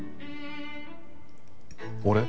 俺？